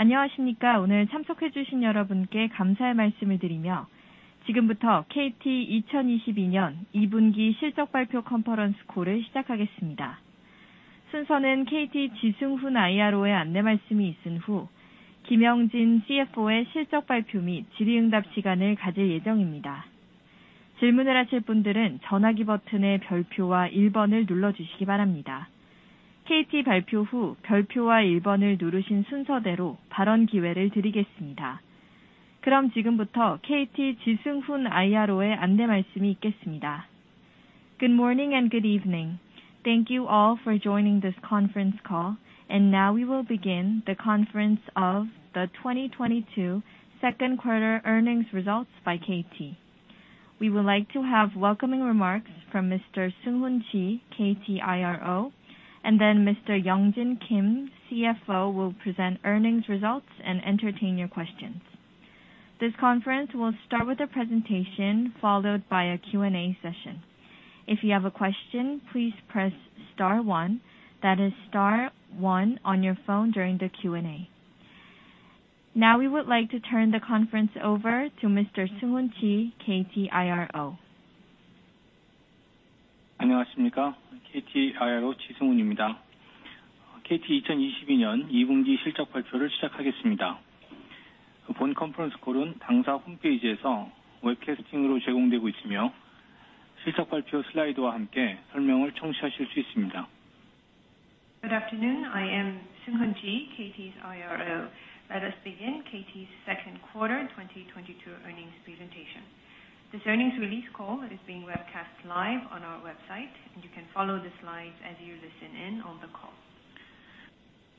안녕하십니까? 오늘 참석해 주신 여러분께 감사의 말씀을 드리며 지금부터 KT 2022년 2분기 실적발표 컨퍼런스 콜을 시작하겠습니다. 순서는 KT 지승훈 IRO의 안내 말씀이 있은 후 김영진 CFO의 실적발표 및 질의응답 시간을 가질 예정입니다. 질문을 하실 분들은 전화기 버튼의 별표와 1번을 눌러주시기 바랍니다. KT 발표 후 별표와 1번을 누르신 순서대로 발언 기회를 드리겠습니다. 그럼 지금부터 KT 지승훈 IRO의 안내 말씀이 있겠습니다. Good morning and good evening. Thank you all for joining this conference call. Now we will begin the conference call for the 2022 second quarter earnings results by KT. We would like to have welcoming remarks from Mr. Seung-Hoon Chi, KT IRO, and then Mr. Young-Jin Kim, CFO, will present earnings results and entertain your questions. This conference will start with a presentation followed by a Q&A session. If you have a question, please press star one. That is star one on your phone during the Q&A. Now, we would like to turn the conference over to Mr. Seung-Hoon Chi, KT IRO. 안녕하십니까? KT IRO 지승훈입니다. KT 2022년 2분기 실적발표를 시작하겠습니다. 본 컨퍼런스 콜은 당사 홈페이지에서 웹캐스팅으로 제공되고 있으며, 실적발표 슬라이드와 함께 설명을 청취하실 수 있습니다. Good afternoon. I am Seung-Hoon Chi, KT's IRO. Let us begin KT's second quarter 2022 earnings presentation. This earnings release call is being webcast live on our website and you can follow the slides as you listen in on the call.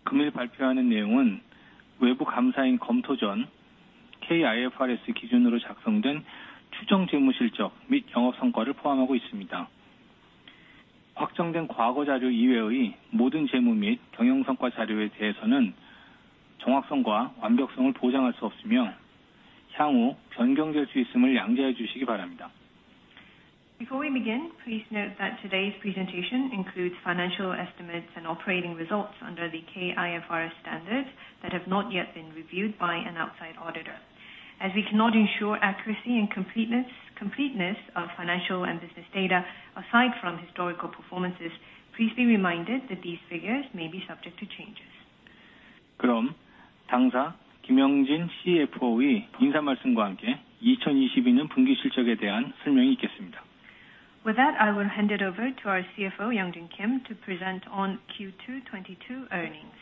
금일 발표하는 내용은 외부 감사인 검토 전 K-IFRS 기준으로 작성된 추정 재무실적 및 영업 성과를 포함하고 있습니다. 확정된 과거 자료 이외의 모든 재무 및 경영 성과 자료에 대해서는 정확성과 완벽성을 보장할 수 없으며, 향후 변경될 수 있음을 양지해 주시기 바랍니다. Before we begin, please note that today's presentation includes financial estimates and operating results under the K-IFRS standard that have not yet been reviewed by an outside auditor. As we cannot ensure accuracy and completeness of financial and business data aside from historical performances, please be reminded that these figures may be subject to changes. 그럼 당사 김영진 CFO의 인사 말씀과 함께 2022년 분기 실적에 대한 설명이 있겠습니다. With that, I will hand it over to our CFO, Young-Jin Kim, to present on Q2 2022 earnings.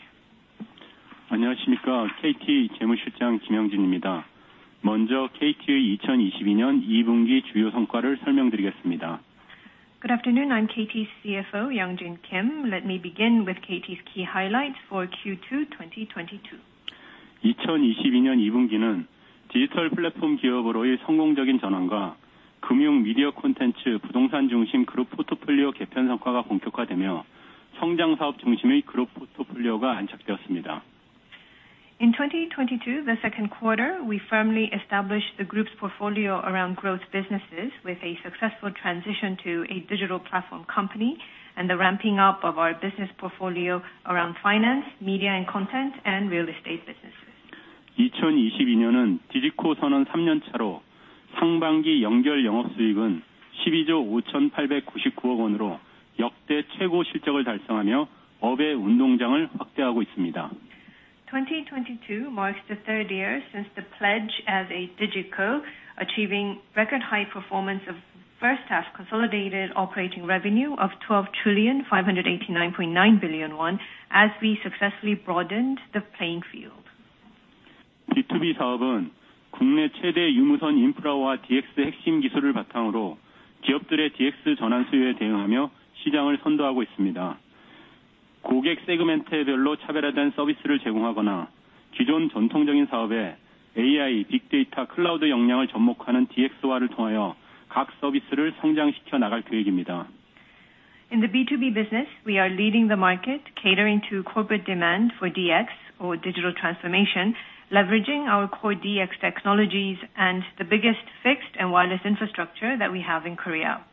안녕하십니까? KT 재무실장 김영진입니다. 먼저 KT 2022년 2분기 주요 성과를 설명드리겠습니다. Good afternoon. I'm KT's CFO, Young-Jin Kim. Let me begin with KT's key highlights for Q2 2022. 2022년 2분기는 디지털 플랫폼 기업으로의 성공적인 전환과 금융, 미디어 콘텐츠, 부동산 중심 그룹 포트폴리오 개편 성과가 본격화되며 성장 사업 중심의 그룹 포트폴리오가 안착되었습니다. In 2022, the second quarter, we firmly established the group's portfolio around growth businesses with a successful transition to a digital platform company and the ramping up of our business portfolio around finance, media and content, and real estate businesses. 2022년은 디지코 선언 3년 차로 상반기 연결 영업수익은 12조 5,899억 원으로 역대 최고 실적을 달성하며 업의 운동장을 확대하고 있습니다. 2022 marks the third year since the pledge as a DIGICO, achieving record high performance of first half consolidated operating revenue of 12,589.9 billion won as we successfully broadened the playing field. B2B 사업은 국내 최대 유무선 인프라와 DX 핵심 기술을 바탕으로 기업들의 DX 전환 수요에 대응하며 시장을 선도하고 있습니다. 고객 세그멘트별로 차별화된 서비스를 제공하거나 기존 전통적인 사업에 AI, 빅데이터, 클라우드 역량을 접목하는 DX화를 통하여 각 서비스를 성장시켜 나갈 계획입니다. In the B2B business, we are leading the market catering to corporate demand for DX or digital transformation, leveraging our core DX technologies and the biggest fixed and wireless infrastructure that we have in Korea.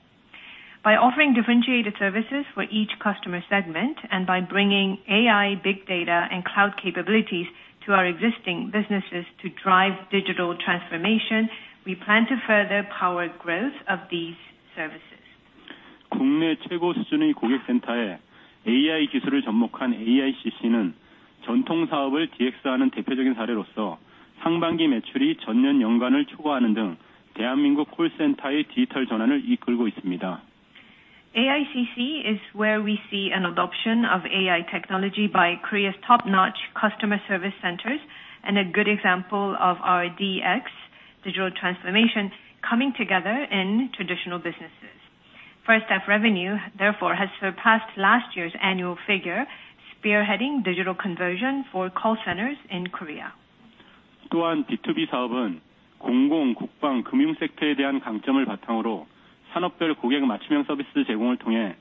By offering differentiated services for each customer segment and by bringing AI, big data, and Cloud capabilities to our existing businesses to drive digital transformation, we plan to further power growth of these services. 국내 최고 수준의 고객센터에 AI 기술을 접목한 AICC는 전통 사업을 DX하는 대표적인 사례로서 상반기 매출이 전년 연간을 초과하는 등 대한민국 콜센터의 디지털 전환을 이끌고 있습니다. AICC is where we see an adoption of AI technology by Korea's top-notch customer service centers and a good example of our DX digital transformation coming together in traditional businesses. First half revenue, therefore, has surpassed last year's annual figure, spearheading digital conversion for call centers in Korea. 또한 B2B 사업은 공공, 국방, 금융 섹터에 대한 강점을 바탕으로 산업별 고객 맞춤형 서비스 제공을 통해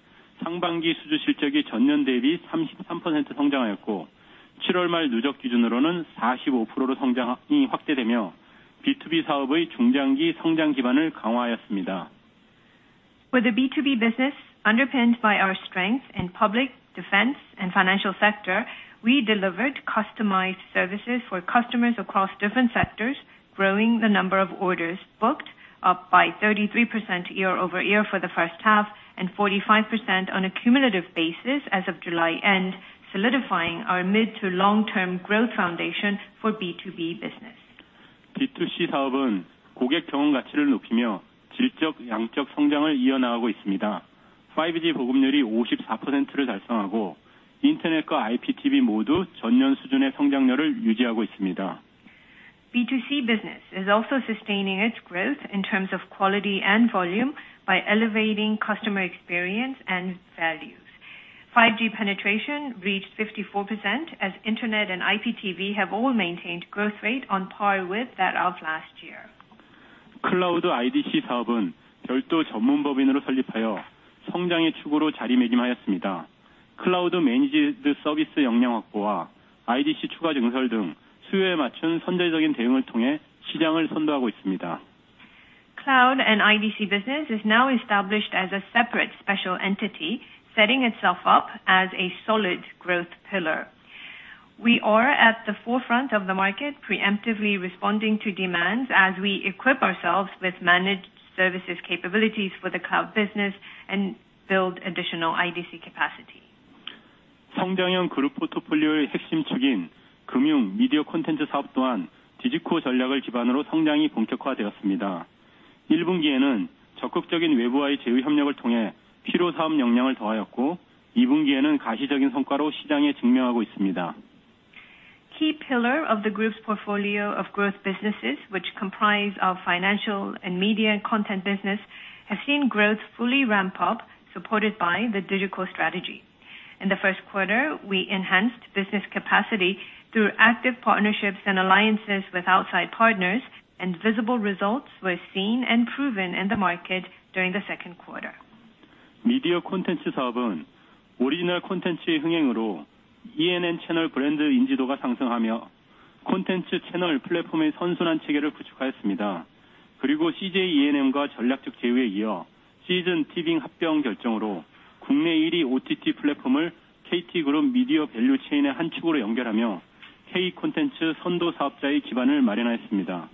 상반기 수주 실적이 전년 대비 33% 성장하였고, 7월 말 누적 기준으로는 45% 성장이 확대되며 B2B 사업의 중장기 성장 기반을 강화하였습니다. For the B2B business, underpinned by our strength in public, defense, and financial sector, we delivered customized services for customers across different sectors, growing the number of orders booked up by 33% year-over-year for the first half, and 45% on a cumulative basis as of July end, solidifying our mid to long-term growth foundation for B2B business. B2C 사업은 고객 경험 가치를 높이며 질적, 양적 성장을 이어나가고 있습니다. 5G 보급률이 54%를 달성하고 인터넷과 IPTV 모두 전년 수준의 성장률을 유지하고 있습니다. B2C business is also sustaining its growth in terms of quality and volume by elevating customer experience and values. 5G penetration reached 54% as internet and IPTV have all maintained growth rate on par with that of last year. Cloud IDC 사업은 별도 전문 법인으로 설립하여 성장의 축으로 자리매김하였습니다. Cloud Managed Service 역량 확보와 IDC 추가 증설 등 수요에 맞춘 선제적인 대응을 통해 시장을 선도하고 있습니다. Cloud and IDC business is now established as a separate special entity, setting itself up as a solid growth pillar. We are at the forefront of the market, preemptively responding to demands as we equip ourselves with managed services capabilities for the Cloud business and build additional IDC capacity. 성장형 그룹 포트폴리오의 핵심 축인 금융, 미디어 콘텐츠 사업 또한 디지코 전략을 기반으로 성장이 본격화되었습니다. 일 분기에는 적극적인 외부와의 제휴 협력을 통해 필요 사업 역량을 더하였고, 이 분기에는 가시적인 성과로 시장에 증명하고 있습니다. Key pillar of the group's portfolio of growth businesses, which comprise of financial and media and content business, have seen growth fully ramp up, supported by the digital strategy. In the first quarter, we enhanced business capacity through active partnerships and alliances with outside partners, and visible results were seen and proven in the market during the second quarter. 미디어 콘텐츠 사업은 오리지널 콘텐츠의 흥행으로 ENM 채널 브랜드 인지도가 상승하며 콘텐츠 채널 플랫폼의 선순환 체계를 구축하였습니다. 그리고 CJ ENM과 전략적 제휴에 이어 Seezn, Tving 합병 결정으로 국내 일위 OTT 플랫폼을 KT그룹 미디어 밸류 체인의 한 축으로 연결하며 K-콘텐츠 선도 사업자의 기반을 마련하였습니다.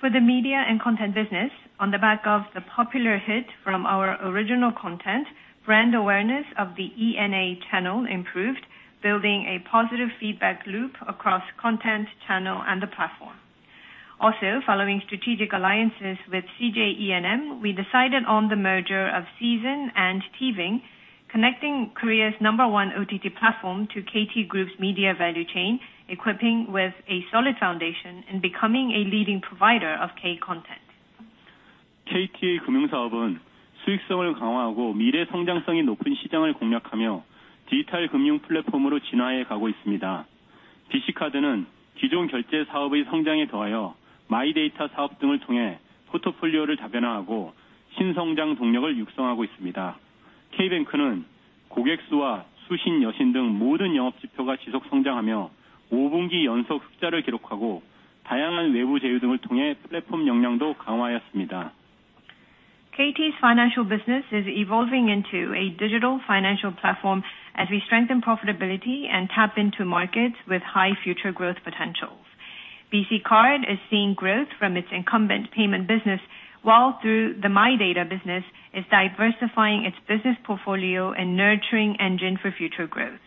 For the media and content business, on the back of the popular hit from our original content, brand awareness of the ENA channel improved, building a positive feedback loop across content, channel, and the platform. Also, following strategic alliances with CJ ENM, we decided on the merger of Seezn and Tving, connecting Korea's number one OTT platform to KT Group's media value chain, equipping with a solid foundation and becoming a leading provider of K-content. KT의 금융 사업은 수익성을 강화하고 미래 성장성이 높은 시장을 공략하며 디지털 금융 플랫폼으로 진화해 가고 있습니다. BC Card는 기존 결제 사업의 성장에 더하여 MyData 사업 등을 통해 포트폴리오를 다변화하고 신성장 동력을 육성하고 있습니다. K bank는 고객 수와 수신, 여신 등 모든 영업 지표가 지속 성장하며 5분기 연속 흑자를 기록하고 다양한 외부 제휴 등을 통해 플랫폼 역량도 강화하였습니다. KT's financial business is evolving into a digital financial platform as we strengthen profitability and tap into markets with high future growth potentials. BC Card is seeing growth from its incumbent payment business, while through the MyData business, is diversifying its business portfolio and nurturing engine for future growth.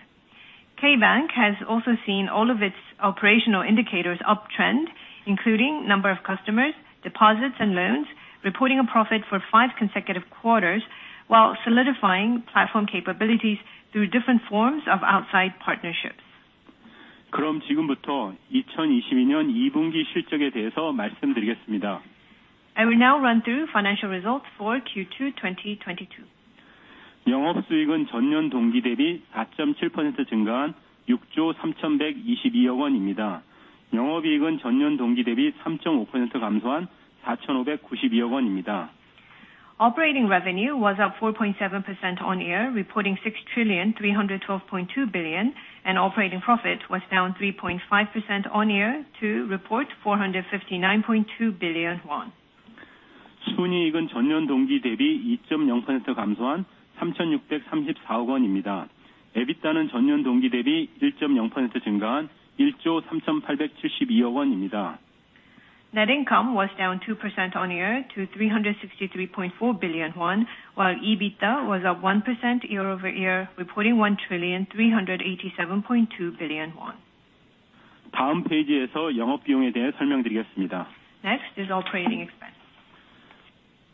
K bank has also seen all of its operational indicators uptrend, including number of customers, deposits and loans, reporting a profit for five consecutive quarters, while solidifying platform capabilities through different forms of outside partnerships. 그럼 지금부터 2022년 2분기 실적에 대해서 말씀드리겠습니다. I will now run through financial results for Q2 2022. 영업 수익은 전년 동기 대비 4.7% 증가한 6조 3,122억 원입니다. 영업 이익은 전년 동기 대비 3.5% 감소한 4,592억 원입니다. Operating revenue was up 4.7% year-on-year, reporting 6,312.2 billion, and operating profit was down 3.5% year-on-year to report 459.2 billion won. 순이익은 전년 동기 대비 2.0% 감소한 3,634억 원입니다. EBITDA는 전년 동기 대비 1.0% 증가한 1조 3,872억 원입니다. Net income was down 2% year-on-year to 363.4 billion won, while EBITDA was up 1% year-over-year, reporting 1,387.2 billion won. 다음 페이지에서 영업 비용에 대해 설명드리겠습니다. Next is operating expense.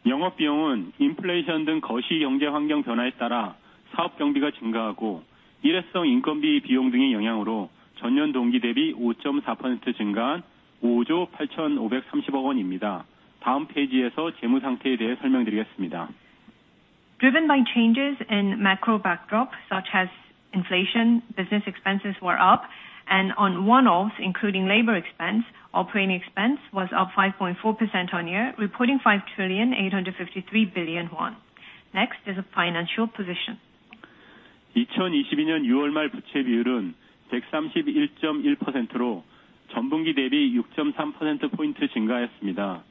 영업 비용은 인플레이션 등 거시 경제 환경 변화에 따라 사업 경비가 증가하고 일회성 인건비 비용 등의 영향으로 전년 동기 대비 5.4% 증가한 5조 8,530억 원입니다. 다음 페이지에서 재무 상태에 대해 설명드리겠습니다. Driven by changes in macro backdrop, such as inflation, business expenses were up, and on one-offs, including labor expense, operating expense was up 5.4% year-on-year, reporting 5,853 billion won. Next is financial position. 2022년 6월 말 부채 비율은 131.1%로 전분기 대비 6.3%p 증가하였습니다.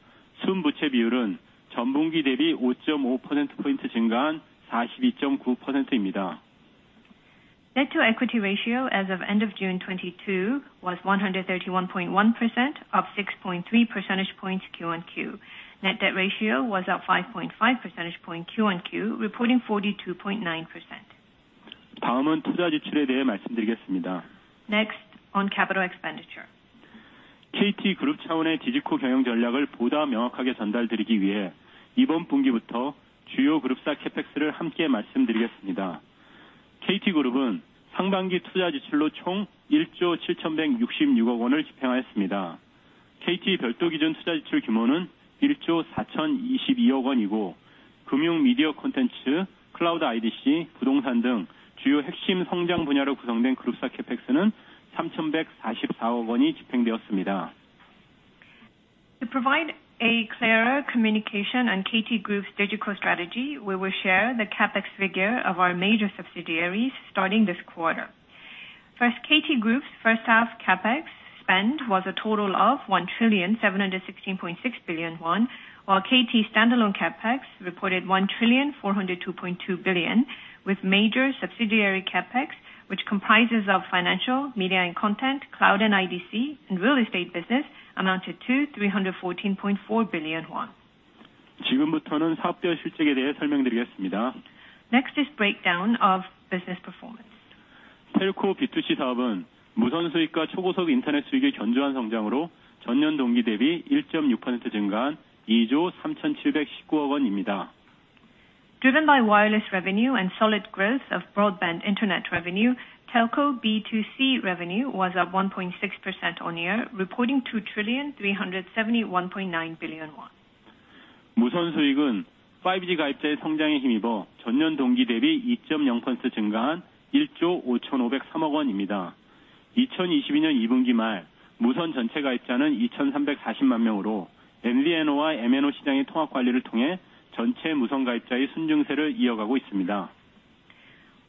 순부채 비율은 전분기 대비 5.5%p 증가한 42.9%입니다. Debt to equity ratio as of end of June 2022 was 131.1%, up 6.3 percentage points QoQ. Net debt ratio was up 5.5 percentage point QoQ, reporting 42.9%. 다음은 투자 지출에 대해 말씀드리겠습니다. Next on capital expenditure. KT그룹 차원의 DIGICO 경영 전략을 보다 명확하게 전달드리기 위해 이번 분기부터 주요 그룹사 Capex를 함께 말씀드리겠습니다. KT그룹은 상반기 투자 지출로 총 1조 7,166억 원을 집행하였습니다. KT 별도 기준 투자 지출 규모는 1조 4,022억 원이고, 금융, 미디어 콘텐츠, Cloud IDC, 부동산 등 주요 핵심 성장 분야로 구성된 그룹사 Capex는 3,144억 원이 집행되었습니다. To provide a clearer communication on KT Group's digital strategy, we will share the CapEx figure of our major subsidiaries starting this quarter. First, KT Group's first half CapEx spend was a total of 1,716.6 billion won, while KT standalone CapEx reported 1,402.2 billion. With major subsidiary CapEx, which comprises of financial, media and content, Cloud and IDC, and real estate business amounted to 314.4 billion won. 지금부터는 사업별 실적에 대해 설명드리겠습니다. Next is breakdown of business performance. 텔코 B2C 사업은 무선 수익과 초고속 인터넷 수익의 견조한 성장으로 전년 동기 대비 1.6% 증가한 2조 3,719억 원입니다. Driven by wireless revenue and solid growth of broadband internet revenue, Telco B2C revenue was up 1.6% year-on-year, reporting 2,371.9 billion won. 무선 수익은 5G 가입자의 성장에 힘입어 전년 동기 대비 2.0% 증가한 1조 5,503억 원입니다. 2022년 2분기 말 무선 전체 가입자는 2,340만 명으로 MVNO와 MNO 시장의 통합 관리를 통해 전체 무선 가입자의 순증세를 이어가고 있습니다.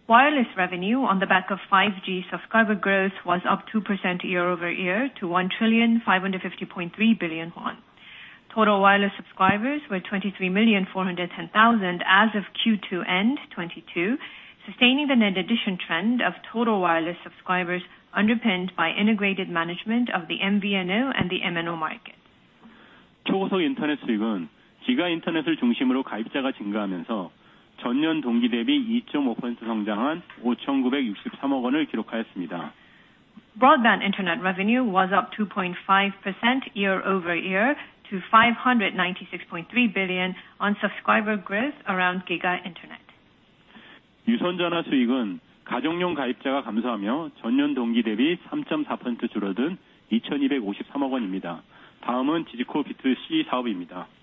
Wireless revenue on the back of 5G subscriber growth was up 2% year-over-year to 1,550.3 billion won. Total wireless subscribers were 23,410,000 as of Q2 end 2022, sustaining the net addition trend of total wireless subscribers, underpinned by integrated management of the MVNO and the MNO market. 초고속 인터넷 수익은 기가 인터넷을 중심으로 가입자가 증가하면서 전년 동기 대비 2.5% 성장한 5,963억 원을 기록하였습니다. Broadband internet revenue was up 2.5% year-over-year to 596.3 billion on subscriber growth around GiGA Internet. 유선 전화 수익은 가정용 가입자가 감소하며 전년 동기 대비 3.4% 줄어든 2,253억 원입니다. 다음은 DIGICO B2C 사업입니다. Fixed-line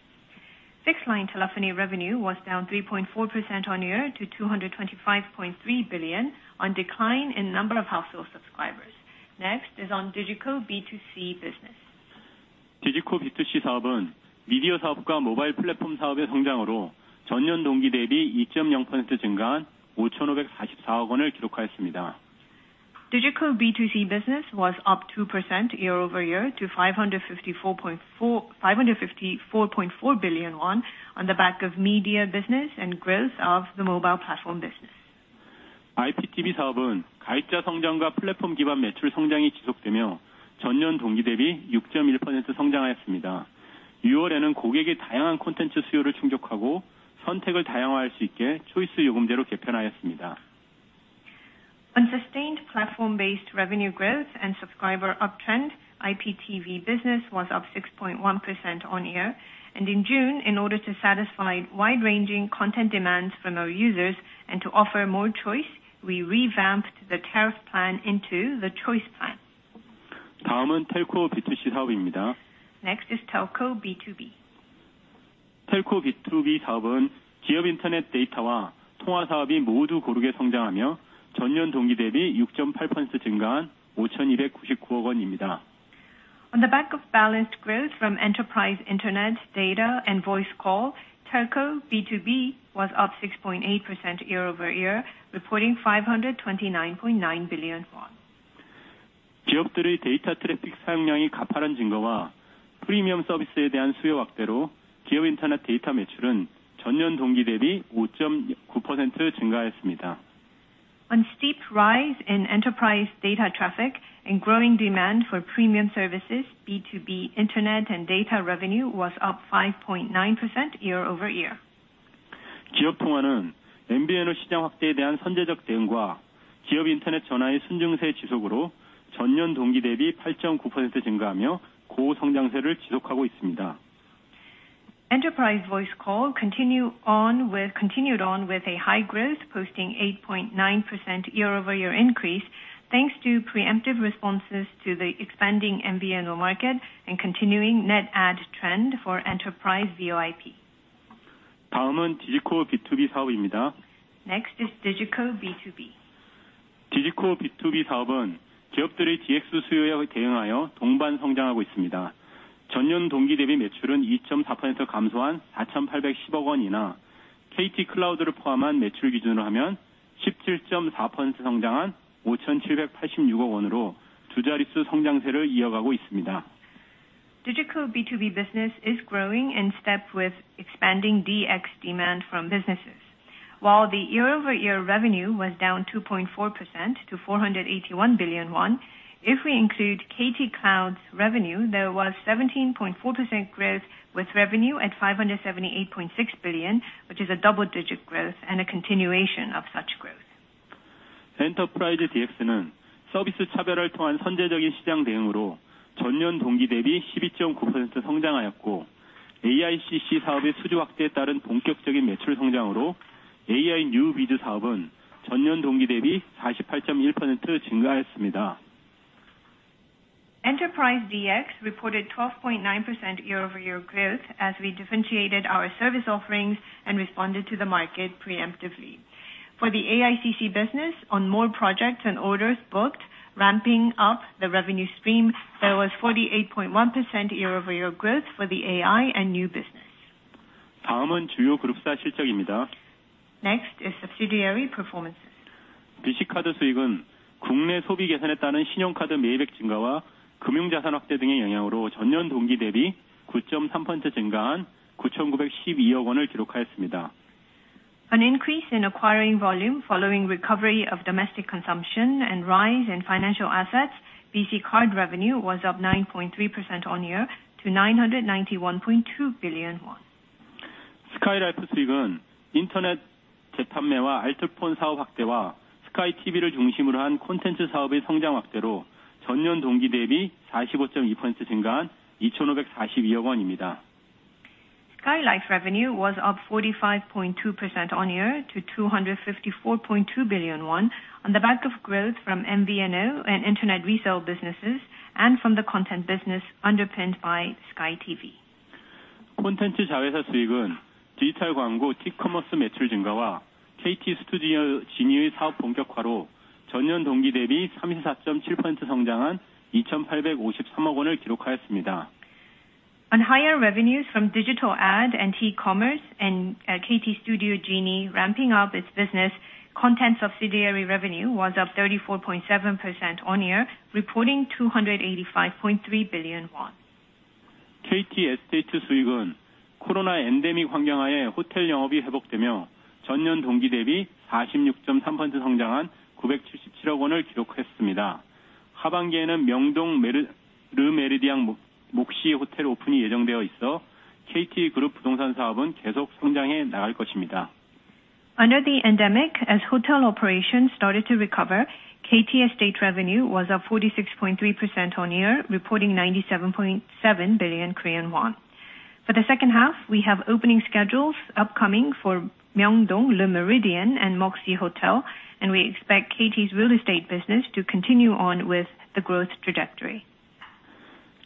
telephony revenue was down 3.4% year-on-year to 225.3 billion on decline in number of household subscribers. Next is on DIGICO B2C business. 디지코 B2C 사업은 미디어 사업과 모바일 플랫폼 사업의 성장으로 전년 동기 대비 20% 증가한 5,544억 원을 기록하였습니다. DIGICO B2C business was up 2% year-over-year to 554.4 billion won on the back of media business and growth of the mobile platform business. IPTV 사업은 가입자 성장과 플랫폼 기반 매출 성장이 지속되며 전년 동기 대비 6.1% 성장하였습니다. 6월에는 고객의 다양한 콘텐츠 수요를 충족하고 선택을 다양화할 수 있게 초이스 요금제로 개편하였습니다. On sustained platform-based revenue growth and subscriber uptrend, IPTV business was up 6.1% year-on-year. In June, in order to satisfy wide-ranging content demands from our users and to offer more choice, we revamped the tariff plan into the Choice plan. 다음은 텔코 B2C 사업입니다. Next is Telco B2B. 텔코 B2B 사업은 기업 인터넷 데이터와 통화 사업이 모두 고르게 성장하며 전년 동기 대비 6.8% 증가한 5,299억 원입니다. On the back of balanced growth from enterprise internet data and voice call, Telco B2B was up 6.8% year-over-year, reporting KRW 529.9 billion. 기업들의 데이터 트래픽 사용량이 가파른 증가와 프리미엄 서비스에 대한 수요 확대로 기업 인터넷 데이터 매출은 전년 동기 대비 5.9% 증가하였습니다. On steep rise in enterprise data traffic and growing demand for premium services, B2B internet and data revenue was up 5.9% year-over-year. 기업 통화는 MVNO 시장 확대에 대한 선제적 대응과 기업 인터넷 전화의 순증세 지속으로 전년 동기 대비 8.9% 증가하며 고성장세를 지속하고 있습니다. Enterprise voice call continued on with a high growth posting 8.9% year-over-year increase thanks to preemptive responses to the expanding MVNO market and continuing net add trend for enterprise VoIP. 다음은 디지코 B2B 사업입니다. Next is DIGICO B2B. Digico B2B 사업은 기업들의 DX 수요에 대응하여 동반 성장하고 있습니다. 전년 동기 대비 매출은 2.4% 감소한 4,810억원이나 KT Cloud를 포함한 매출 기준으로 하면 17.4% 성장한 5,786억원으로 두 자릿수 성장세를 이어가고 있습니다. DIGICO B2B business is growing in step with expanding DX demand from businesses. While the year-over-year revenue was down 2.4% to 481 billion won. If we include KT Cloud's revenue, there was 17.4% growth with revenue at 578.6 billion, which is a double-digit growth and a continuation of such growth. Enterprise DX는 서비스 차별화를 통한 선제적인 시장 대응으로 전년 동기 대비 12.9% 성장하였고, AICC 사업의 수주 확대에 따른 본격적인 매출 성장으로 AI/New Biz 사업은 전년 동기 대비 48.1% 증가하였습니다. Enterprise DX reported 12.9% year-over-year growth as we differentiated our service offerings and responded to the market preemptively. For the AICC business on more projects and orders booked, ramping up the revenue stream, there was 48.1% year-over-year growth for the AI and new business. 다음은 주요 그룹사 실적입니다. Next is subsidiary performances. 비씨카드 수익은 국내 소비 개선에 따른 신용카드 매입액 증가와 금융자산 확대 등의 영향으로 전년 동기 대비 9.3% 증가한 9,912억원을 기록하였습니다. An increase in acquiring volume following recovery of domestic consumption and rise in financial assets. BC Card revenue was up 9.3% year-on-year to KRW 991.2 billion. KT스카이라이프 수익은 인터넷 재판매와 알뜰폰 사업 확대와 skyTV를 중심으로 한 콘텐츠 사업의 성장 확대로 전년 동기 대비 45.0% 증가한 2,542억원입니다. KT SkyLife revenue was up 45.2% year-on-year to 254.2 billion won on the back of growth from MVNO and internet resale businesses and from the content business underpinned by skyTV. 콘텐츠 자회사 수익은 디지털 광고 T커머스 매출 증가와 KT Studio Genie의 사업 본격화로 전년 동기 대비 34.7% 성장한 2,853억원을 기록하였습니다. On higher revenues from digital ad and T-commerce and KT Studio Genie ramping up its business content subsidiary, revenue was up 34.7% year-on-year, reporting KRW 285.3 billion. kt estate 수익은 코로나 엔데믹 환경 하에 호텔 영업이 회복되며 전년 동기 대비 46.3% 성장한 977억원을 기록했습니다. 하반기에는 명동 Le Méridien Moxy 호텔 오픈이 예정되어 있어 KT 그룹 부동산 사업은 계속 성장해 나갈 것입니다. Under the endemic, as hotel operations started to recover, KT Estate revenue was up 46.3% year-on-year, reporting 97.7 billion Korean won. For the second half, we have opening schedules upcoming for Myeongdong Le Méridien and Moxy Seoul, Myeongdong, and we expect KT's real estate business to continue on with the growth trajectory.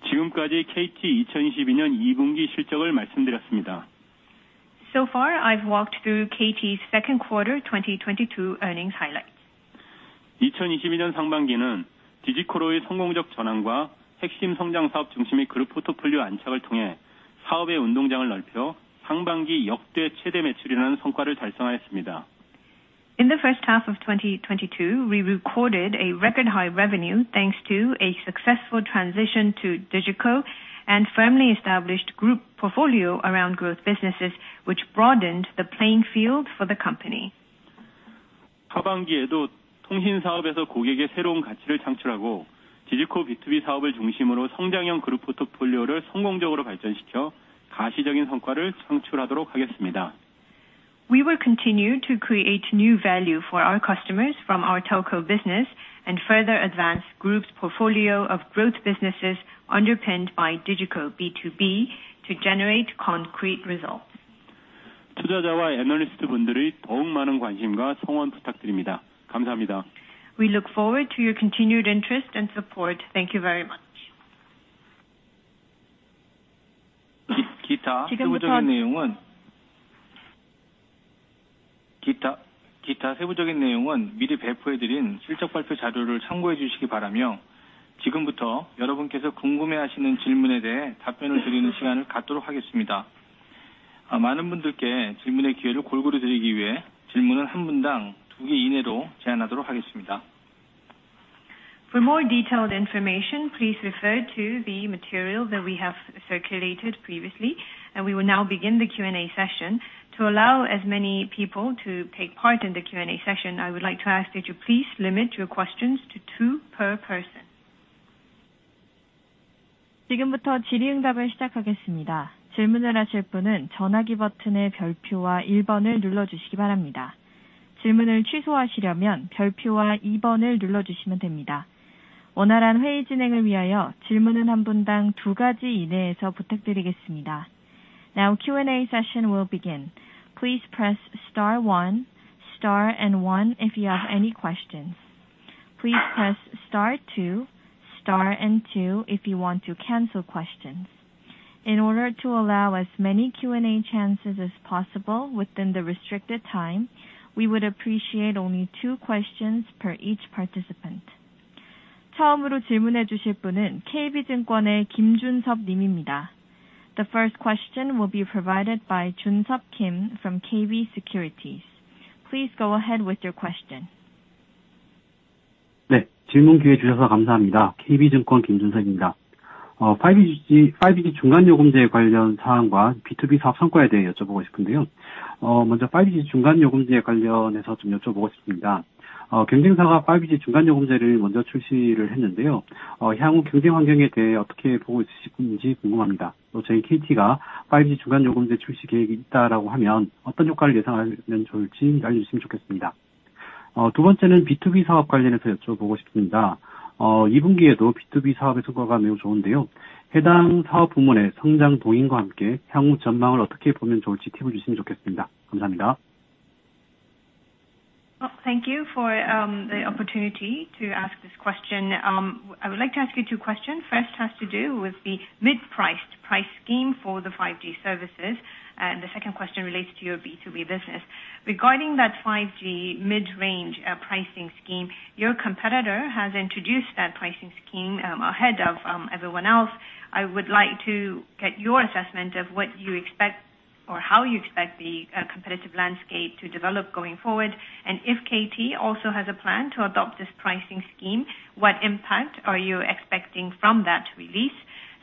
지금까지 KT 2022년 2분기 실적을 말씀드렸습니다. So far, I've walked through KT's second quarter 2022 earnings highlights. 이천이십이년 상반기는 디지코로의 성공적 전환과 핵심 성장 사업 중심의 그룹 포트폴리오 안착을 통해 사업의 운동장을 넓혀 상반기 역대 최대 매출이라는 성과를 달성하였습니다. In the first half of 2022, we recorded a record high revenue thanks to a successful transition to DIGICO and firmly established group portfolio around growth businesses, which broadened the playing field for the company. 하반기에도 통신 사업에서 고객의 새로운 가치를 창출하고, 디지코 B2B 사업을 중심으로 성장형 그룹 포트폴리오를 성공적으로 발전시켜 가시적인 성과를 창출하도록 하겠습니다. We will continue to create new value for our customers from our telco business and further advance group's portfolio of growth businesses underpinned by DIGICO B2B to generate concrete results. 투자자와 애널리스트분들의 더욱 많은 관심과 성원 부탁드립니다. 감사합니다. We look forward to your continued interest and support. Thank you very much. 기타 세부적인 내용은 미리 배포해 드린 실적 발표 자료를 참고해 주시기 바라며, 지금부터 여러분께서 궁금해하시는 질문에 대해 답변을 드리는 시간을 갖도록 하겠습니다. 많은 분들께 질문의 기회를 골고루 드리기 위해 질문은 한 분당 두개 이내로 제한하도록 하겠습니다. For more detailed information, please refer to the material that we have circulated previously, and we will now begin the Q&A session. To allow as many people to take part in the Q&A session, I would like to ask that you please limit your questions to two per person. 지금부터 질의응답을 시작하겠습니다. 질문을 하실 분은 전화기 버튼의 별표와 일번을 눌러주시기 바랍니다. 질문을 취소하시려면 별표와 이번을 눌러주시면 됩니다. 원활한 회의 진행을 위하여 질문은 한 분당 두 가지 이내에서 부탁드리겠습니다. Now Q&A session will begin. Please press star one, star and one if you have any questions. Please press star two, star and two if you want to cancel questions. In order to allow as many Q&A chances as possible within the restricted time, we would appreciate only two questions per each participant. The first question will be provided by Joonsop Kim from KB Securities. Please go ahead with your question. Thank you for the opportunity to ask this question. I would like to ask you two questions. First has to do with the mid-priced price scheme for the 5G services, and the second question relates to your B2B business. Regarding that 5G mid-range pricing scheme, your competitor has introduced that pricing scheme ahead of everyone else. I would like to get your assessment of what you expect or how you expect the competitive landscape to develop going forward. If KT also has a plan to adopt this pricing scheme, what impact are you expecting from that release?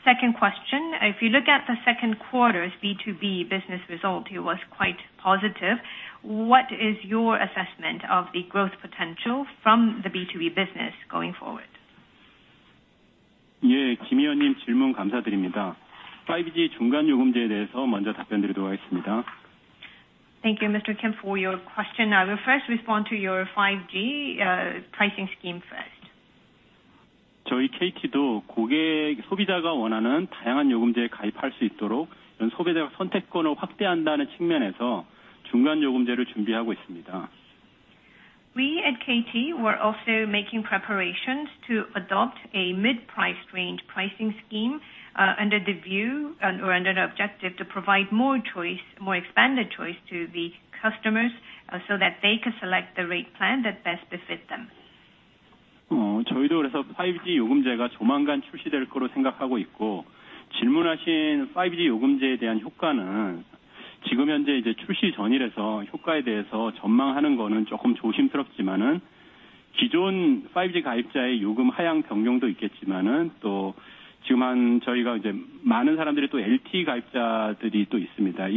Second question, if you look at the second quarter's B2B business result, it was quite positive. What is your assessment of the growth potential from the B2B business going forward? Thank you, Mr. Kim for your question. I will first respond to your 5G pricing scheme first. We at KT were also making preparations to adopt a mid-price range pricing scheme under the objective to provide more choice, more expanded choice to the customers so that they can select the rate plan that best befit them.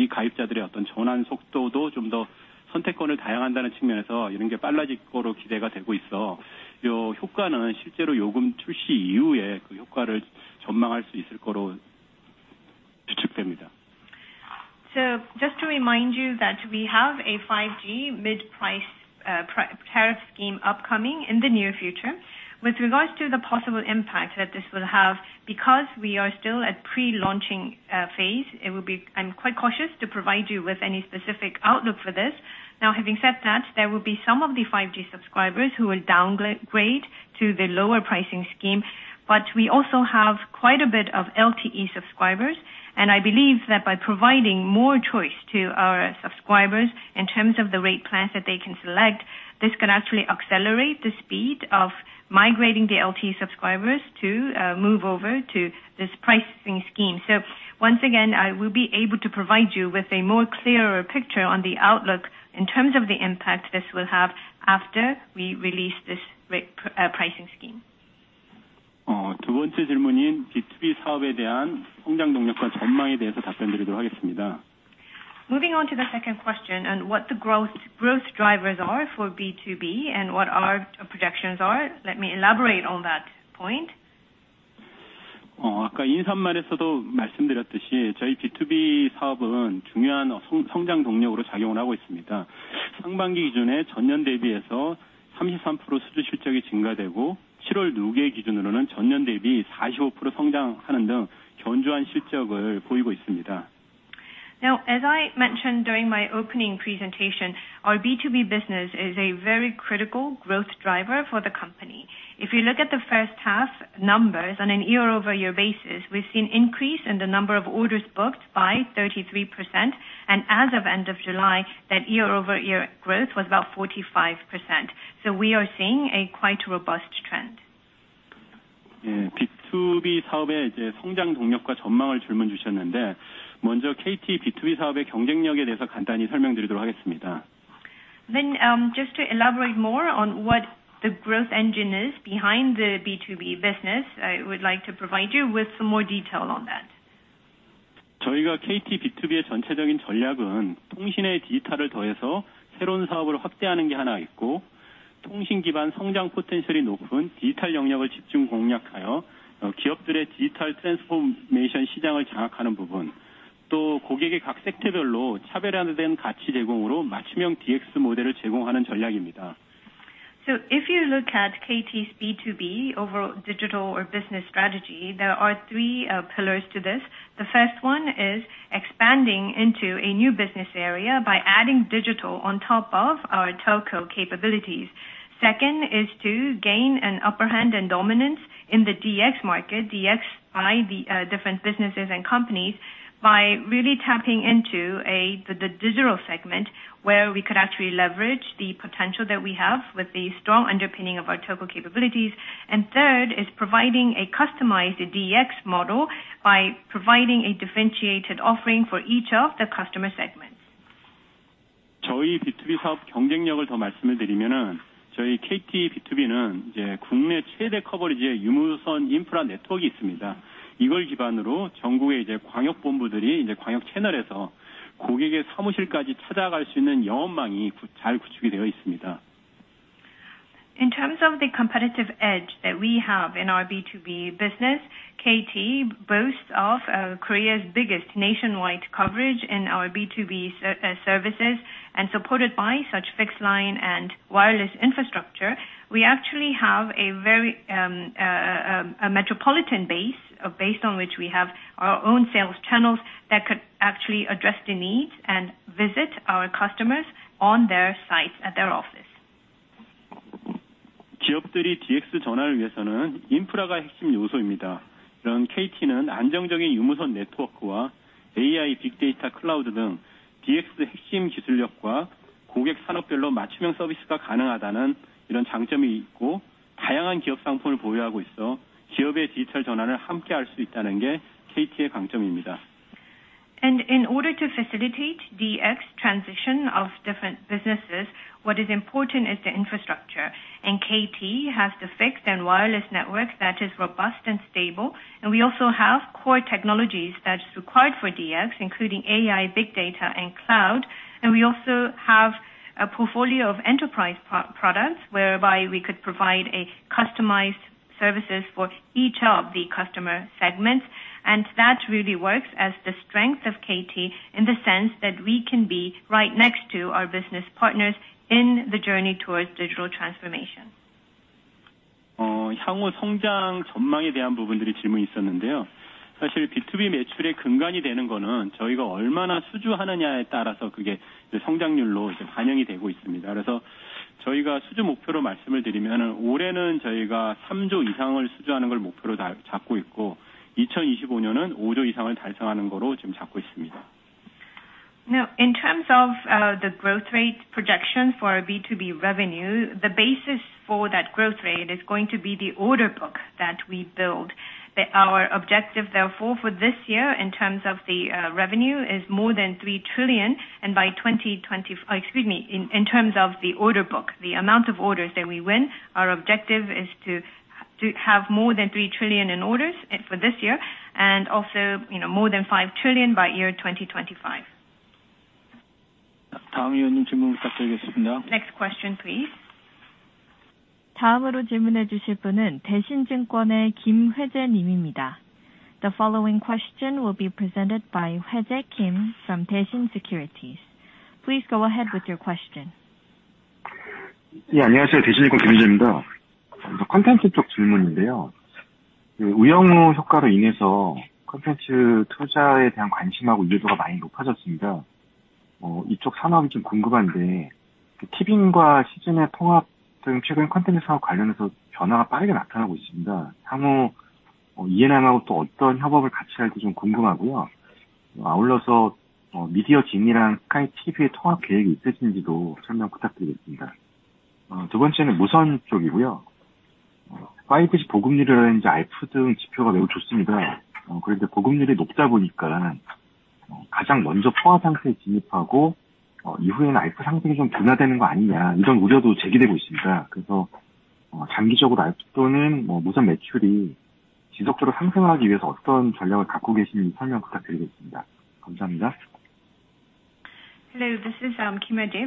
Just to remind you that we have a 5G mid-price pricing tariff scheme upcoming in the near future. With regards to the possible impact that this will have, because we are still at pre-launching phase, it will be. I'm quite cautious to provide you with any specific outlook for this. Now, having said that, there will be some of the 5G subscribers who will downgrade to the lower pricing scheme, but we also have quite a bit of LTE subscribers, and I believe that by providing more choice to our subscribers in terms of the rate plans that they can select, this could actually accelerate the speed of migrating the LTE subscribers to move over to this pricing scheme. Once again, I will be able to provide you with a more clearer picture on the outlook in terms of the impact this will have after we release this pricing scheme. Moving on to the second question and what the growth drivers are for B2B and what our projections are, let me elaborate on that point. Now, as I mentioned during my opening presentation, our B2B business is a very critical growth driver for the company. If you look at the first half numbers on a year-over-year basis, we've seen an increase in the number of orders booked by 33%. As of the end of July, that year-over-year growth was about 45%. We are seeing quite a robust trend. Just to elaborate more on what the growth engine is behind the B2B business, I would like to provide you with some more detail on that. If you look at KT's B2B overall digital or business strategy, there are three pillars to this. The first one is landing into a new business area by adding digital on top of our telco capabilities. Second is to gain an upper hand and dominance in the DX market, DX by the different businesses and companies by really tapping into the digital segment, where we could actually leverage the potential that we have with the strong underpinning of our telco capabilities. Third is providing a customized DX model by providing a differentiated offering for each of the customer segments. In terms of the competitive edge that we have in our B2B business, KT boasts of Korea's biggest nationwide coverage in our B2B services and supported by such fixed line and wireless infrastructure, we actually have a metropolitan base, based on which we have our own sales channels that could actually address the needs and visit our customers on their site, at their office. In order to facilitate DX transition of different businesses, what is important is the infrastructure. KT has the fixed and wireless network that is robust and stable. We also have core technologies that is required for DX, including AI, big data and Cloud. We also have a portfolio of enterprise products, whereby we could provide a customized services for each of the customer segments. That really works as the strength of KT in the sense that we can be right next to our business partners in the journey towards digital transformation. Now, in terms of the growth rate projection for our B2B revenue, the basis for that growth rate is going to be the order book that we build. Our objective therefore, for this year in terms of the revenue, is more than 3 trillion. In terms of the order book, the amount of orders that we win, our objective is to have more than 3 trillion in orders for this year and also, you know, more than 5 trillion by year 2025. Next question, please. The following question will be presented by Kim Hoi Jae from Daishin Securities. Please go ahead with your question. Hello, this is Kim Hoi Jae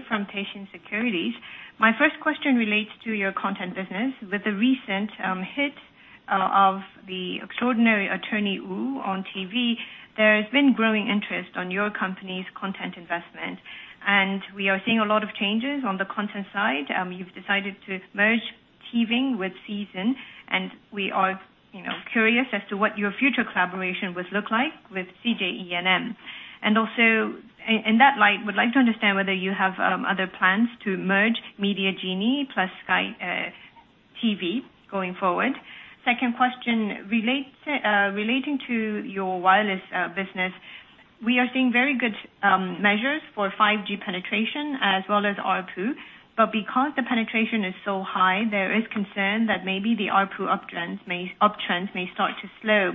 from Daishin Securities. My first question relates to your content business. With the recent hit of the Extraordinary Attorney Woo on TV, there has been growing interest in your company's content investment. We are seeing a lot of changes on the content side. You've decided to merge Tving with Seezn, and we are, you know, curious as to what your future collaboration would look like with CJ ENM. Also, in that light, would like to understand whether you have other plans to merge Media Genie plus skyTV going forward. Second question relates to your wireless business. We are seeing very good measures for 5G penetration as well as ARPU, but because the penetration is so high, there is concern that maybe the ARPU uptrends may start to slow.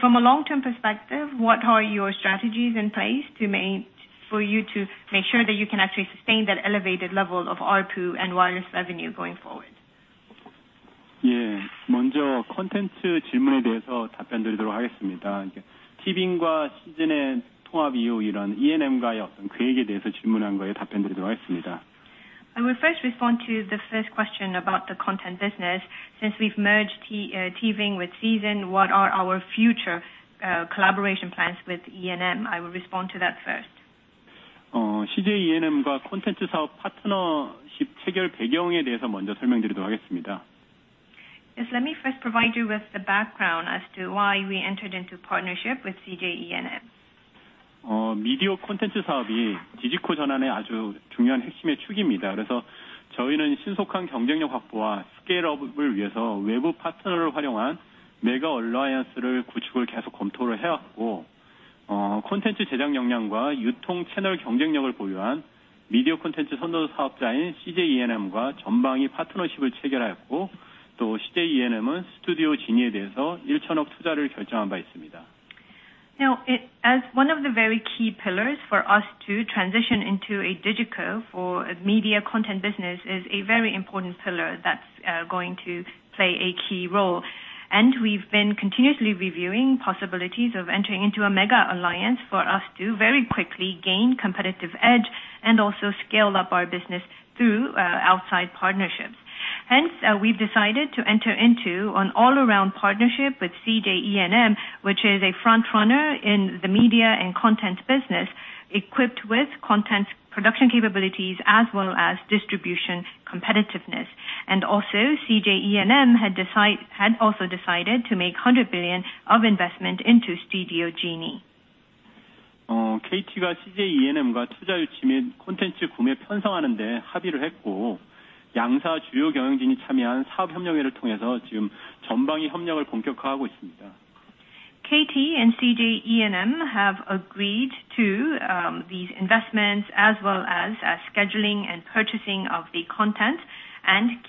From a long-term perspective, what are your strategies in place to make, for you to make sure that you can actually sustain that elevated level of ARPU and wireless revenue going forward? Yeah. I will first respond to the first question about the content business. Since we've merged Tving with Seezn, what are our future collaboration plans with CJ ENM? I will respond to that first. CJ ENM과 콘텐츠 사업 파트너십 체결 배경에 대해서 먼저 설명드리도록 하겠습니다. Yes, let me first provide you with the background as to why we entered into partnership with CJ ENM. 미디어 콘텐츠 사업이 디지코 전환의 아주 중요한 핵심의 축입니다. 저희는 신속한 경쟁력 확보와 scale up을 위해서 외부 파트너를 활용한 mega alliance를 구축을 계속 검토를 해 왔고, 콘텐츠 제작 역량과 유통 채널 경쟁력을 보유한 미디어 콘텐츠 선도 사업자인 CJ ENM과 전방위 파트너십을 체결하였고, 또 CJ ENM은 Studio Genie에 대해서 일천억 투자를 결정한 바 있습니다. Now, as one of the very key pillars for us to transition into a DIGICO for a media content business is a very important pillar that's going to play a key role. We've been continuously reviewing possibilities of entering into a mega alliance for us to very quickly gain competitive edge and also scale up our business through outside partnerships. Hence, we've decided to enter into an all around partnership with CJ ENM, which is a frontrunner in the media and content business, equipped with content production capabilities as well as distribution competitiveness. CJ ENM had also decided to make 100 billion of investment into Studio Genie. KT가 CJ ENM과 투자 유치 및 콘텐츠 구매 편성하는 데 합의를 했고, 양사 주요 경영진이 참여한 사업협력회를 통해서 지금 전방위 협력을 본격화하고 있습니다. KT and CJ ENM have agreed to these investments as well as scheduling and purchasing of the content.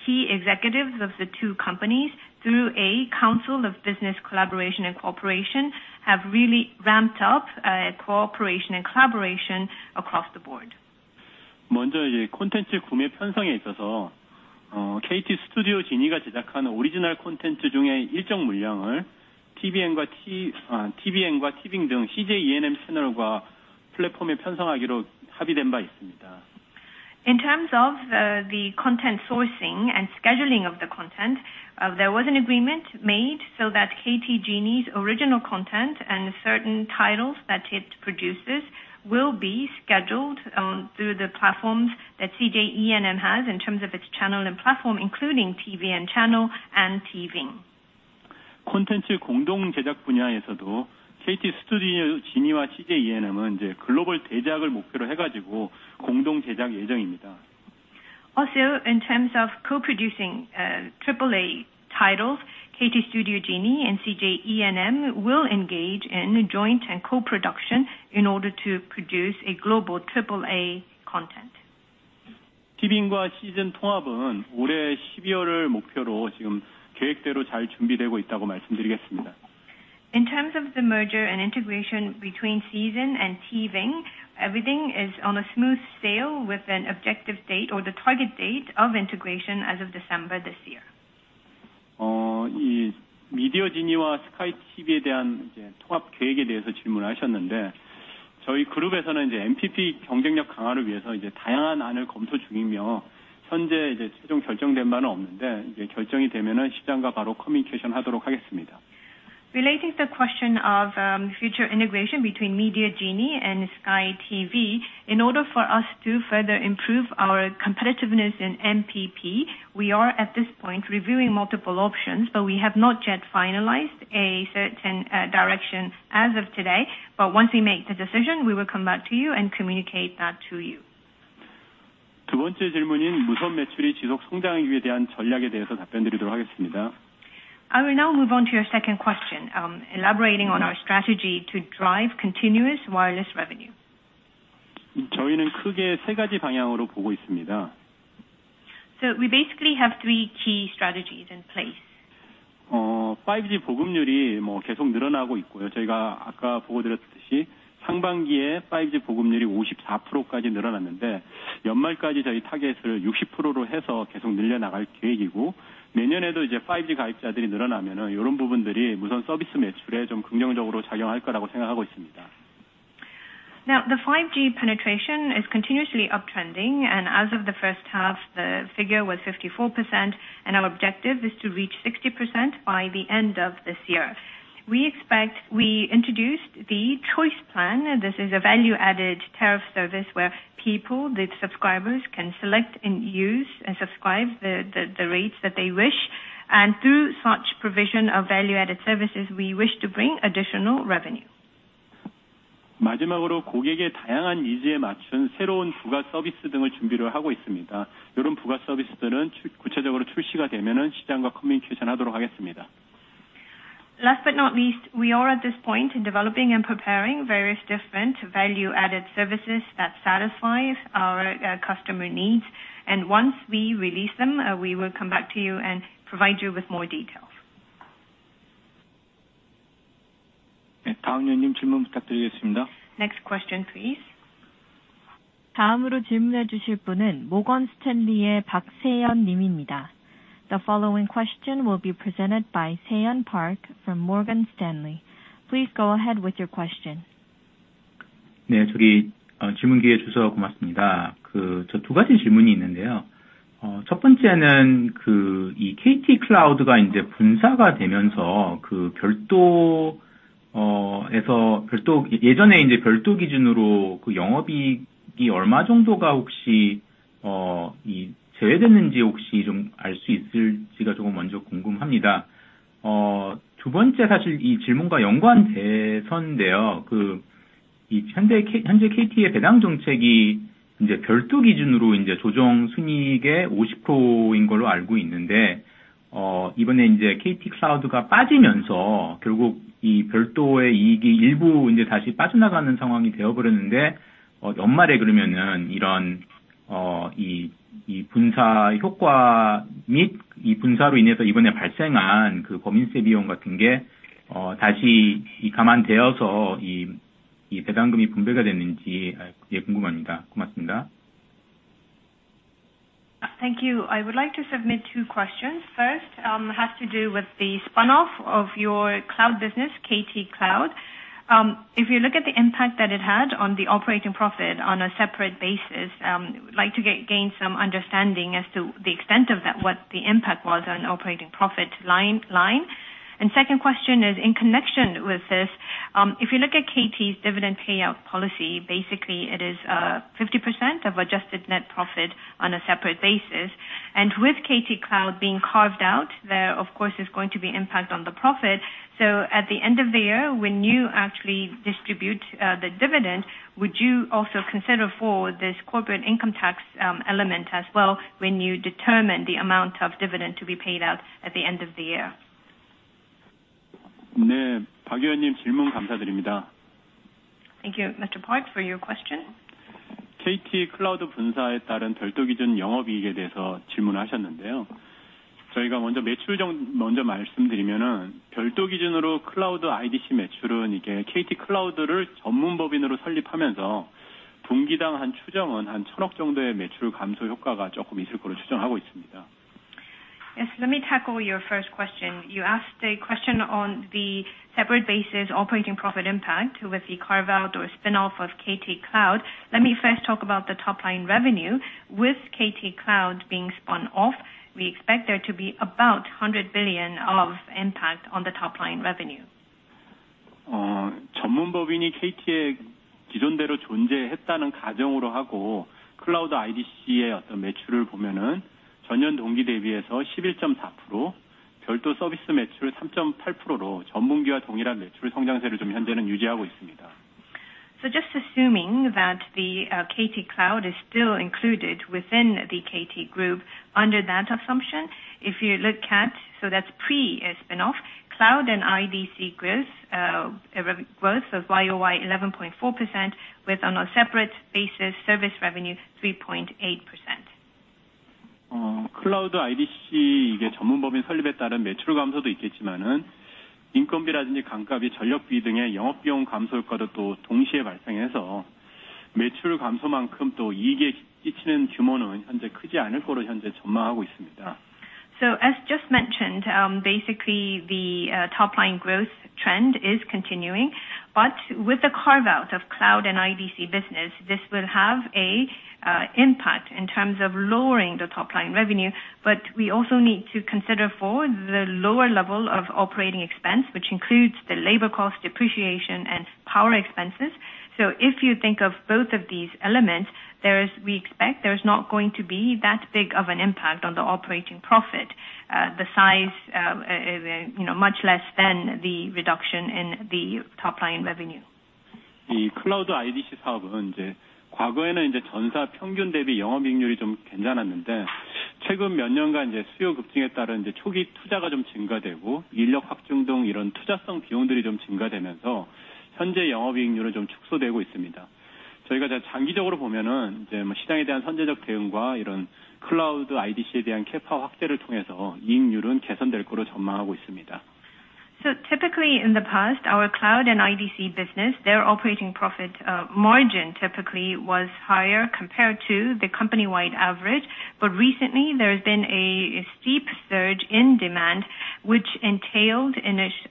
Key executives of the two companies through a council of business collaboration and cooperation have really ramped up cooperation and collaboration across the board. 먼저 이제 콘텐츠 구매 편성에 있어서, KT Studio Genie가 제작하는 오리지널 콘텐츠 중에 일정 물량을 tvN과 Tving 등 CJ ENM 채널과 플랫폼에 편성하기로 합의된 바 있습니다. In terms of the content sourcing and scheduling of the content, there was an agreement made so that KT Genie's original content and certain titles that it produces will be scheduled through the platforms that CJ ENM has in terms of its channel and platform, including tvN channel and Tving. 콘텐츠 공동제작 분야에서도 KT Studio Genie와 CJ ENM은 이제 글로벌 대작을 목표로 해가지고 공동제작 예정입니다. In terms of co-producing AAA titles, KT Studio Genie and CJ ENM will engage in joint and co-production in order to produce a global AAA content. Tving과 Seezn 통합은 올해 12월을 목표로 지금 계획대로 잘 준비되고 있다고 말씀드리겠습니다. In terms of the merger and integration between Seezn and Tving, everything is on smooth sailing with an objective date or the target date of integration as of December this year. Media Genie와 skyTV에 대한 통합 계획에 대해서 질문하셨는데, 저희 그룹에서는 MPP 경쟁력 강화를 위해서 다양한 안을 검토 중이며, 현재 최종 결정된 바는 없는데, 결정이 되면은 시장과 바로 communication 하도록 하겠습니다. Relating to the question of future integration between Media Genie and skyTV. In order for us to further improve our competitiveness in MPP, we are at this point reviewing multiple options, but we have not yet finalized a certain direction as of today. Once we make the decision, we will come back to you and communicate that to you. 두 번째 질문인 무선 매출이 지속 성장하기 위한 전략에 대해서 답변드리도록 하겠습니다. I will now move on to your second question, elaborating on our strategy to drive continuous wireless revenue. 저희는 크게 세 가지 방향으로 보고 있습니다. We basically have three key strategies in place. 5G 보급률이 계속 늘어나고 있고요. 아까 보고드렸듯이 상반기에 5G 보급률이 54%까지 늘어났는데, 연말까지 저희 타겟을 60%로 해서 계속 늘려나갈 계획이고, 내년에도 5G 가입자들이 늘어나면 이런 부분들이 무선 서비스 매출에 좀 긍정적으로 작용할 거라고 생각하고 있습니다. Now, the 5G penetration is continuously uptrending, and as of the first half, the figure was 54%, and our objective is to reach 60% by the end of this year. We introduced the Choice plan. This is a value-added tariff service where people, the subscribers, can select and use and subscribe the rates that they wish. Through such provision of value-added services, we wish to bring additional revenue. 마지막으로 고객의 다양한 니즈에 맞춘 새로운 부가서비스 등을 준비를 하고 있습니다. 이런 부가서비스들은 구체적으로 출시가 되면 시장과 communication 하도록 하겠습니다. Last but not least, we are at this point in developing and preparing various different value-added services that satisfies our customer needs. Once we release them, we will come back to you and provide you with more details. 네, 다음 연님 질문 부탁드리겠습니다. Next question, please. 다음으로 질문해 주실 분은 Morgan Stanley의 박세연 님입니다. The following question will be presented by Seyon Park from Morgan Stanley. Please go ahead with your question. 질문 기회 주셔서 고맙습니다. 두 가지 질문이 있는데요. 첫 번째는 KT Cloud가 이제 분사가 되면서 별도 기준으로 영업이익이 얼마 정도가 제외됐는지 혹시 좀알수 있을지가 궁금합니다. 두 번째는 사실 이 질문과 연관해서인데요. 현재 KT의 배당정책이 별도 기준으로 조정 순이익의 50%인 걸로 알고 있는데, 이번에 KT Cloud가 빠지면서 결국 별도의 이익이 일부 다시 빠져나가는 상황이 되어 버렸는데, 연말에 그러면 이 분사 효과 및 분사로 인해서 이번에 발생한 법인세 비용 같은 게 다시 감안되어서 배당금이 분배가 됐는지 그게 궁금합니다. 고맙습니다. Thank you. I would like to submit two questions. First, has to do with the spin-off of your Cloud business, KT Cloud. If you look at the impact that it had on the operating profit on a separate basis, like to gain some understanding as to the extent of that, what the impact was on operating profit line. Second question is in connection with this. If you look at KT's dividend payout policy, basically it is 50% of adjusted net profit on a separate basis. With KT Cloud being carved out, there of course is going to be impact on the profit. At the end of the year, when you actually distribute the dividend, would you also consider for this corporate income tax element as well when you determine the amount of dividend to be paid out at the end of the year? 네. Seyon Park 질문 감사드립니다. Thank you, Mr. Park, for your question. KT Cloud 분사에 따른 별도 기준 영업이익에 대해서 질문하셨는데요. 먼저 별도 기준으로 Cloud IDC 매출은 이게 KT Cloud를 전문법인으로 설립하면서 분기당 한 추정은 한 천억 정도의 매출 감소 효과가 조금 있을 걸로 추정하고 있습니다. Yes. Let me tackle your first question. You asked a question on the separate basis operating profit impact with the carve out or spin-off of KT Cloud. Let me first talk about the top line revenue. With KT Cloud being spun off, we expect there to be about 100 billion of impact on the top line revenue. 전문법인이 KT에 기존대로 존재했다는 가정으로 하고 Cloud IDC의 매출을 보면 전년 동기 대비해서 11.4%, 별도 서비스 매출 3.8%로 전 분기와 동일한 매출 성장세를 현재는 유지하고 있습니다. Just assuming that the KT Cloud is still included within the KT Group. Under that assumption, if you look at, that's pre spin-off. Cloud and IDC growth, rev-growth of YoY 11.4% with, on a separate basis, service revenue 3.8%. Cloud IDC 이게 전문법인 설립에 따른 매출 감소도 있겠지만은 인건비라든지 감가비, 전력비 등의 영업비용 감소 효과도 또 동시에 발생해서 매출 감소만큼 또 이익에 끼치는 규모는 현재 크지 않을 걸로 현재 전망하고 있습니다. As just mentioned, basically the top line growth trend is continuing, but with the carve out of Cloud and IDC business, this will have an impact in terms of lowering the top line revenue. We also need to consider for the lower level of operating expense, which includes the labor cost, depreciation, and power expenses. If you think of both of these elements, we expect there's not going to be that big of an impact on the operating profit. The size, you know, much less than the reduction in the top line revenue. 이 Cloud IDC 사업은 과거에는 전사 평균 대비 영업이익률이 좀 괜찮았는데 최근 몇 년간 수요 급증에 따른 초기 투자가 좀 증가되고 인력 확충 등 이런 투자성 비용들이 좀 증가되면서 현재 영업이익률은 좀 축소되고 있습니다. 저희가 장기적으로 보면 시장에 대한 선제적 대응과 이런 Cloud IDC에 대한 Capex 확대를 통해서 이익률은 개선될 걸로 전망하고 있습니다. Typically in the past, our Cloud and IDC business, their operating profit margin typically was higher compared to the company-wide average. Recently there's been a steep surge in demand, which entailed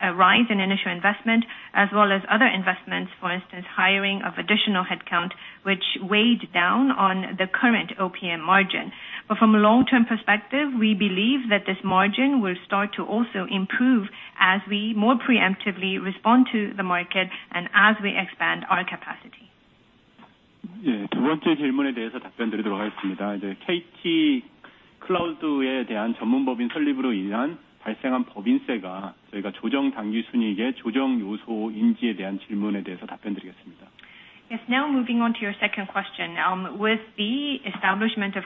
a rise in initial investment as well as other investments, for instance, hiring of additional headcount, which weighed down on the current OPM margin. From a long-term perspective, we believe that this margin will start to also improve as we more preemptively respond to the market and as we expand our capacity. 예. 두 번째 질문에 대해서 답변드리도록 하겠습니다. 이제 KT Cloud에 대한 전문법인 설립으로 인한 발생한 법인세가 저희가 조정 당기순이익의 조정 요소인지에 대한 질문에 대해서 답변드리겠습니다. Yes. Now moving on to your second question. With the establishment of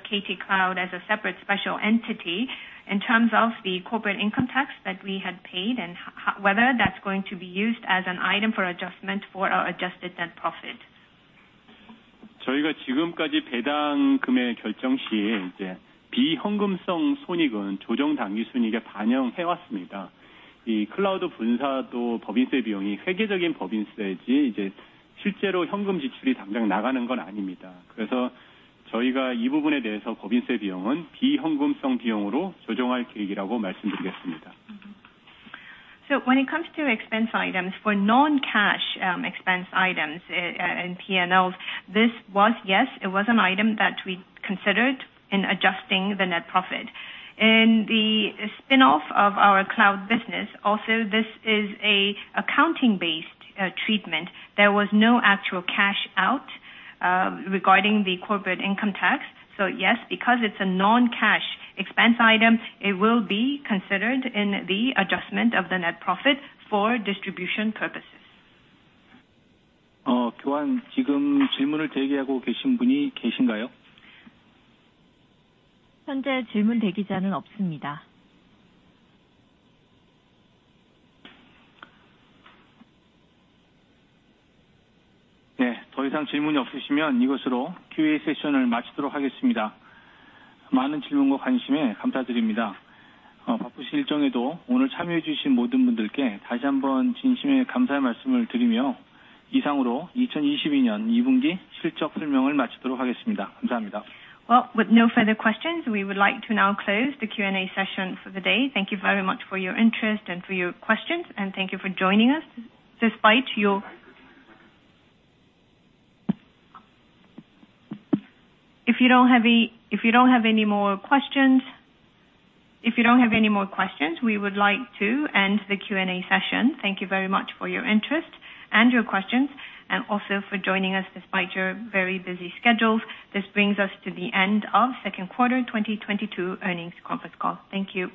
KT Cloud as a separate special entity in terms of the corporate income tax that we had paid and how whether that's going to be used as an item for adjustment for our adjusted net profit. 저희가 지금까지 배당금의 결정 시 비현금성 손익은 조정 당기순이익에 반영해 왔습니다. 이 Cloud 분사도 법인세 비용이 회계적인 법인세지 실제로 현금 지출이 당장 나가는 건 아닙니다. 그래서 저희가 이 부분에 대해서 법인세 비용은 비현금성 비용으로 조정할 계획이라고 말씀드리겠습니다. When it comes to expense items. For non-cash expense items in P&Ls, this was an item that we considered in adjusting the net profit. In the spin-off of our Cloud business, this is also an accounting-based treatment. There was no actual cash out regarding the corporate income tax. Yes, because it's a non-cash expense item, it will be considered in the adjustment of the net profit for distribution purposes. 교환, 지금 질문을 대기하고 계신 분이 계신가요? 현재 질문 대기자는 없습니다. 더 이상 질문이 없으시면 이것으로 Q&A 세션을 마치도록 하겠습니다. 많은 질문과 관심에 감사드립니다. 바쁘신 일정에도 오늘 참여해 주신 모든 분들께 다시 한번 진심의 감사의 말씀을 드리며, 이상으로 2022년 2분기 실적 설명을 마치도록 하겠습니다. 감사합니다. Well, with no further questions, we would like to now close the Q&A session for the day. Thank you very much for your interest and for your questions. Thank you for joining us despite your very busy schedules. If you don't have any more questions, we would like to end the Q&A session. Thank you very much for your interest and your questions. This brings us to the end of second quarter 2022 earnings conference call. Thank you.